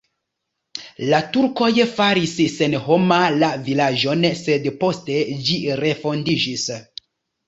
La turkoj faris senhoma la vilaĝon, sed poste ĝi refondiĝis.